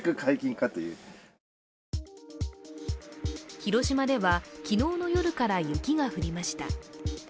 広島では昨日の夜から雪が降りました。